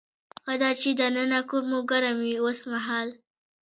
ښه ده چې دننه کور مو ګرم وي اوسمهال.